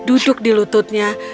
duduk di lututnya